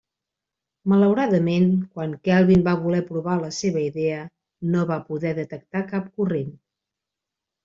Malauradament, quan Kelvin va voler provar la seva idea, no va poder detectar cap corrent.